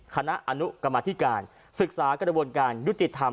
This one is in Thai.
คณะอนุกรรมธิการศึกษากระบวนการยุติธรรม